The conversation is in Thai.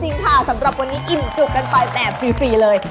ใครอยากมาสำหรับวันนี้อิ่มจุกกันไปแต่ฟรีเลย